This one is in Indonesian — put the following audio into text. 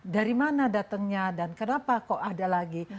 dari mana datangnya dan kenapa kok ada lagi